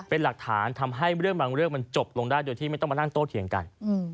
เป็นหลักฐานทำให้บางเรื่องมันจบได้โดยไม่ต้องมาโตเทียงกัน